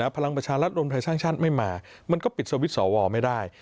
พลังประชารัฐรวมไทยสร้างชาติไม่มามันก็ปิดสวิตช์สวไม่ได้